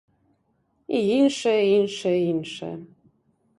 І іншае, іншае, іншае.